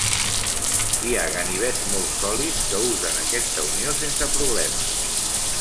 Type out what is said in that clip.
Hi ha ganivets molt sòlids que usen aquesta unió sense problemes.